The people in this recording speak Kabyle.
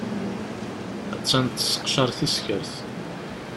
Attan tesseqcaṛ tiskert.